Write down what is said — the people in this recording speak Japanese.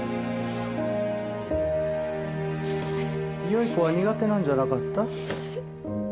良い子は苦手なんじゃなかった？